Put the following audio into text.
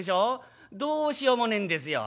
どうしようもねえんですよ」。